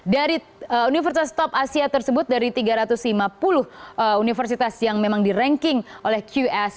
dari universitas top asia tersebut dari tiga ratus lima puluh universitas yang memang di ranking oleh qs